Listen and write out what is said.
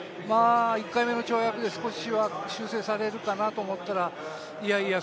１回目の跳躍で少し修正されるかなと思ったら、いやいや